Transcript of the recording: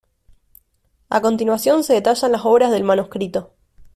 A continuación se detallan las obras del manuscrito.